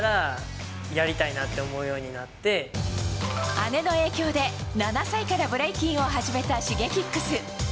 姉の影響で７歳からブレイキンを始めたＳｈｉｇｅｋｉｘ。